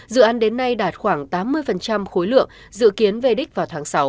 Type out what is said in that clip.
dự án đến nay đạt khoảng tám mươi khối lượng dự kiến về đích vào tháng sáu